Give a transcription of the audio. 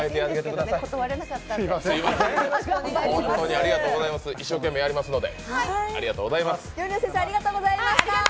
ありがとうございます一生懸命やりますので。